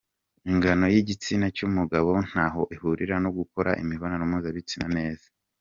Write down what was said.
Ingano y’igitsina cy’umugabo ntaho ihurira no gukora imibonano mpuzabitsina neza